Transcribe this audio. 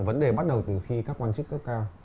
vấn đề bắt đầu từ khi các quan chức cấp cao